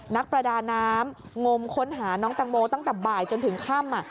นักประดาน้ำงมค้นหาน้องแตงโมตั้งแต่บ่ายจนถึงค่ำ